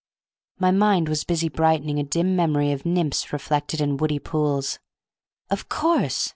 My mind was busy brightening a dim memory of nymphs reflected in woody pools. "Of course!"